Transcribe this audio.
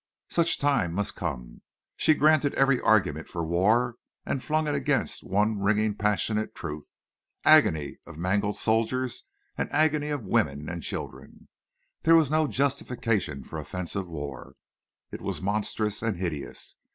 Such time must come. She granted every argument for war and flung against it one ringing passionate truth—agony of mangled soldiers and agony of women and children. There was no justification for offensive war. It was monstrous and hideous.